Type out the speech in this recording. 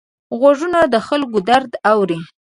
غوږونه د خلکو درد اوري